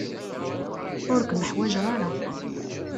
Ur ken-ḥwajen ara.